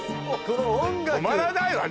止まらないわね